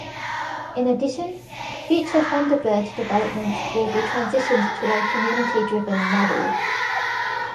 In addition, future Thunderbird development will be transitioned to a community-driven model.